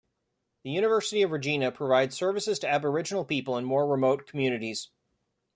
The University of Regina provides services to Aboriginal people in more remote communities.